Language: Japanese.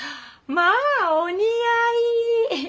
まあお似合い！